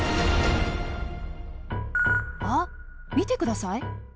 あっ見て下さい。